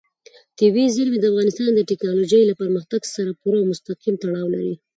طبیعي زیرمې د افغانستان د تکنالوژۍ له پرمختګ سره پوره او مستقیم تړاو لري.